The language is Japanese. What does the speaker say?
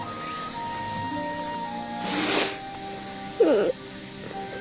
うん。